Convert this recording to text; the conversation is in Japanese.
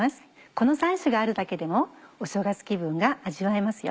この３種があるだけでもお正月気分が味わえますよ。